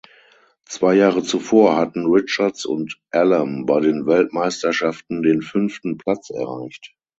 Zwei Jahre zuvor hatten Richards und Allam bei den Weltmeisterschaften den fünften Platz erreicht.